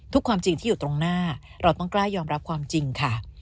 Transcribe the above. ความจริงที่อยู่ตรงหน้าเราต้องกล้ายอมรับความจริงค่ะ